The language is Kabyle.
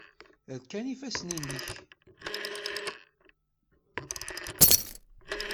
Rkan yifassen-nnek.